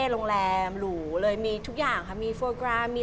ลองแล้วเป็นไง